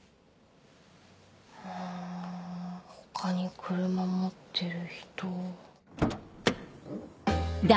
ん他に車持ってる人。